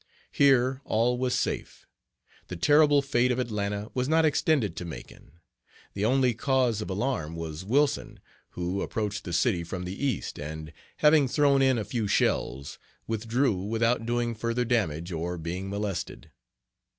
Here all was safe. The terrible fate of Atlanta was not extended to Macon. The only cause of alarm was Wilson, who approached the city from the east, and, having thrown in a few shells, withdrew without doing further damage or being molested.